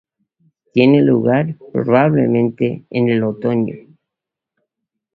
Tiene lugar, probablemente, en el otoño.